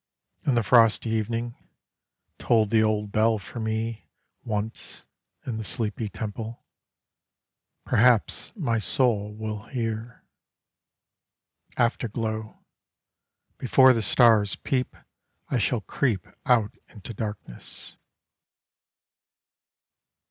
In the frosty evening. Toll the old bell for me Once, in the sleepy temple. Perhaps my soul will hear. Afterglow: Before the stars peep I shall creep out into darkness.